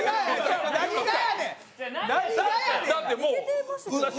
何がやねん！